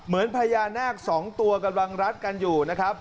พญานาคสองตัวกำลังรัดกันอยู่นะครับ